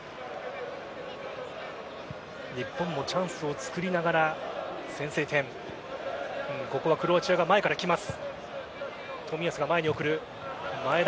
日本もチャンスを作りながらここはクロアチアが前から来ます。